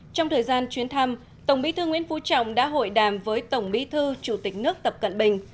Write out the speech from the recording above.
trong thời gian chuyến thăm tổng bí thư nguyễn phú trọng đã hội đàm với tổng bí thư chủ tịch nước tập cận bình